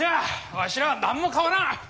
わしらは何も変わらん。